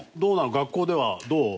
学校ではどう？